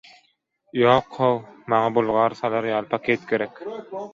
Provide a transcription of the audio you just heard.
– Ýok-how, maňa bulgar salar ýaly paket gerek.